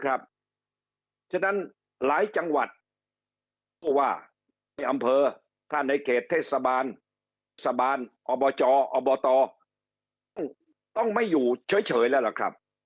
เพราะฉะนั้นหลายจังหวัดผู้ว่าในอำเภอถ้าในเขตเทศบาลอบจอบตต้องไม่อยู่เฉยแล้วล่ะครับ